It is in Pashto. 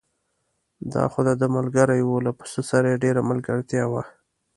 دا خو دده ملګری و، له پسه سره یې ډېره ملګرتیا وه.